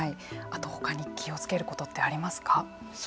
あとほかに気をつけることってありますか。